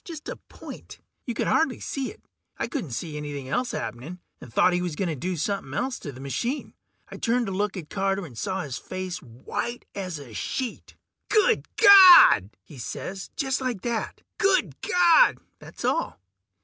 Just a point; you could hardly see it. I couldn't see anything else happening, and thought he was gonna do somepin' else to the machine. I turned to look at Carter, and saw his face was white as a sheet. "Good Gawd!" he says, just like that: "Good Gawd!" That's all.